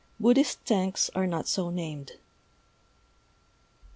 Buddhist tanks are not so named.